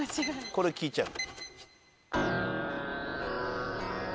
これ聞いちゃう。